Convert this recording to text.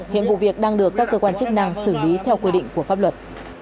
hiện vụ việc đang được các cơ quan chức năng xử lý theo quy định của pháp luật